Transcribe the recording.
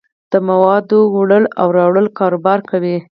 د موادو دوړلو او راوړلو کاروبار کوي.